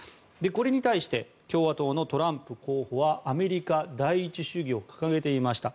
これに対して共和党のトランプ候補はアメリカ第一主義を掲げていました。